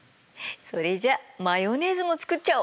それじゃマヨネーズも作っちゃおう！